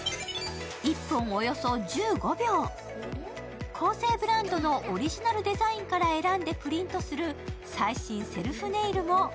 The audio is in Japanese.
１本およそ１５秒、ＫＯＳＥブランドのオリジナルデザインから選んでプリントする最新セルフネイルも。